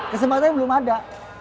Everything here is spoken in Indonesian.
kesempatannya belum ada